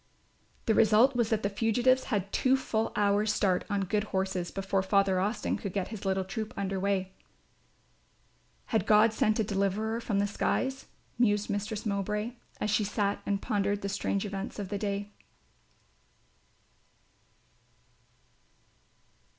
The result was that the fugitives had two full hours start on good horses, before Father Austin could get his little troop under way. "Had God sent a deliverer from the skies?" mused Mistress Mowbray, as she sat and pondered the strange events of the day.